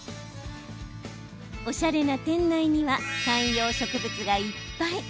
おしゃれな店内には観葉植物がいっぱい。